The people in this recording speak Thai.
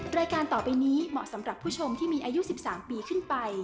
รายการต่อไปนี้เหมาะสำหรับผู้ชมที่มีอายุ๑๓ปีขึ้นไป